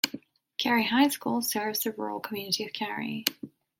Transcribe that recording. Carey High School serves the rural community of Carey.